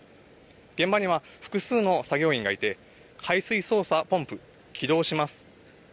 現場には複数の作業員がいて海水操作ポンプ起動します。